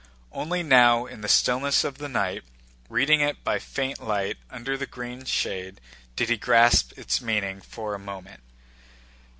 Only now in the stillness of the night, reading it by the faint light under the green shade, did he grasp its meaning for a moment.